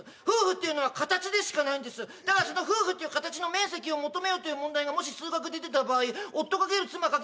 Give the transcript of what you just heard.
夫婦っていうのは形でしかないんですだからその夫婦っていう形の面積を求めよという問題がもし数学で出た場合夫×妻×